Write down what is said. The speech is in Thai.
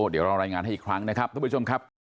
เดี๋ยวเรารายงานให้อีกครั้งนะครับท่านผู้ชมครับ